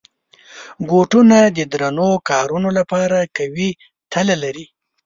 بوټونه د درنو کارونو لپاره قوي تله لري.